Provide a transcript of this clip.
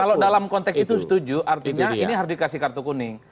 kalau dalam konteks itu setuju artinya ini harus dikasih kartu kuning